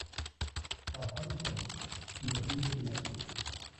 Casado con "Clotilde Velásquez".